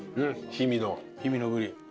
氷見のブリ。